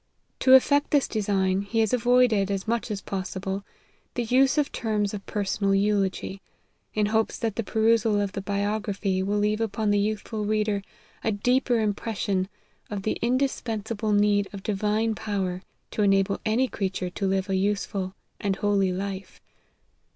To effect this design, he has avoided, as much as possible, the use of terms of personal eulogy ; in hopes that the perusal of the biography will leave upon the youthful reader a deeper impression of the indispensable need of Divine power, to enable any creature to lead a useful and holy life.